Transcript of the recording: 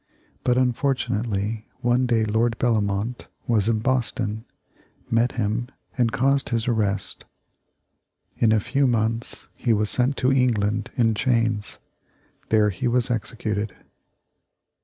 But, unfortunately, one day Lord Bellomont was in Boston, met him, and caused his arrest. In a few months he was sent to England in chains. There he was executed.